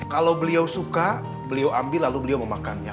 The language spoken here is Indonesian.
kalau beliau suka beliau ambil lalu beliau memakannya